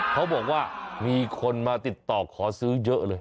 เขาบอกว่ามีคนมาติดต่อขอซื้อเยอะเลย